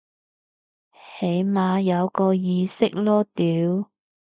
起碼有個意識囉屌